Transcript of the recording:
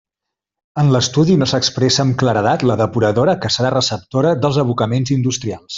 En l'estudi no s'expressa amb claredat la depuradora que serà receptora dels abocaments industrials.